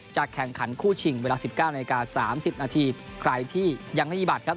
จากแข่งขันคู่ชิงเวลา๑๙น๓๐นใครที่ยังให้บัตรครับ